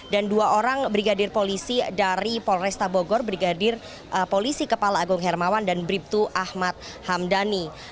dan dua orang brigadir polisi dari polresta bogor brigadir polisi kepala agung hermawan dan bribtu ahmad hamdani